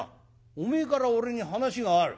「おめえから俺に話がある？